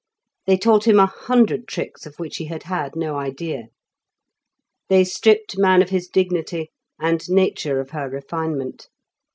They taught him a hundred tricks of which he had had no idea. They stripped man of his dignity, and nature of her refinement.